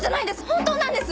本当なんです！